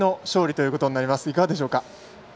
いかがでしょうか？